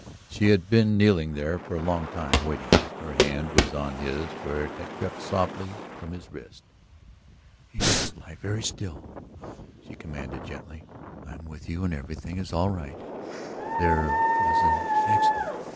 She had been kneeling there for a long time, waiting. Her hand was on his where it had crept softly from his wrist. "You must lie very still," she commanded gently. "I am with you and everything is all right. There was ... an accident.